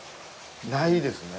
ないですね。